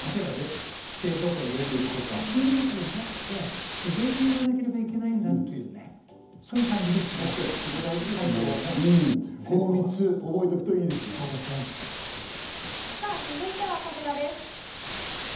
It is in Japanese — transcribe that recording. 冷蔵庫に入れたり急激じゃなくて自然にやらなきゃいけないんだという、そういう感じでした、この３つを覚えておくといいさあ続いてはこちらです。